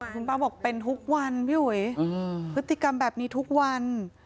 คุณป้าบอกเป็นทุกวันพี่อุ๋ยพฤติกรรมแบบนี้ทุกวัน